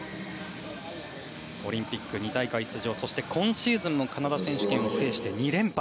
オリンピック２大会出場そして今シーズンのカナダ選手権も制して２連覇。